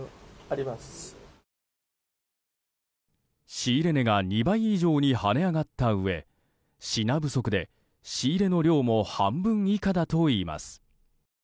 仕入れ値が２倍以上に跳ね上がったうえ品不足で仕入れの量も半分以下だといいます。